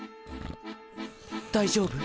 大丈夫？